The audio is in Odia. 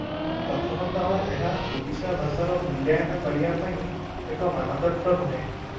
ପ୍ରଥମତଃ ଏହା ଓଡ଼ିଆ ଭାଷାର ମୂଲ୍ୟାୟନ କରିବା ପାଇଁ ଏକ ମାନଦଣ୍ଡ ନୁହେଁ ।